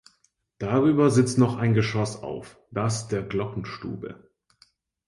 Darüber sitzt noch ein Geschoss auf, das der Glockenstube.